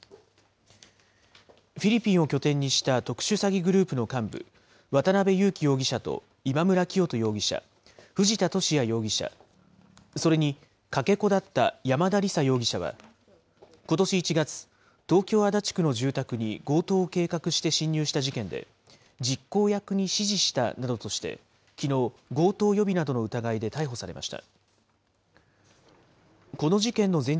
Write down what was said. フィリピンを拠点にした特殊詐欺グループの幹部、渡邉優樹容疑者と今村磨人容疑者、藤田聖也容疑者、それにかけ子だった山田李沙容疑者は、ことし１月、東京・足立区の住宅に強盗を計画して侵入した事件で、実行役に指示したなどとして、きのう、強盗予備などの疑いで逮捕されました。